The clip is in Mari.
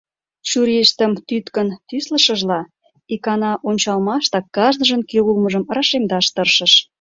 Чурийыштым тӱткын тӱслышыжла, икана ончалмаштак кажныжын кӧ улмыжым рашемдаш тыршыш.